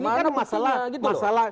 ini kan masalah